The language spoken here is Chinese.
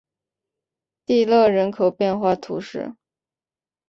蒂勒人口变化图示